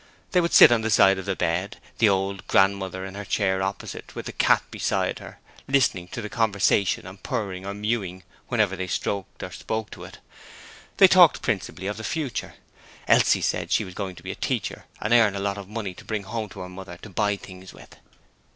They would sit on the side of the bed, the old grandmother in her chair opposite with the cat beside her listening to the conversation and purring or mewing whenever they stroked it or spoke to it. They talked principally of the future. Elsie said she was going to be a teacher and earn a lot of money to bring home to her mother to buy things with.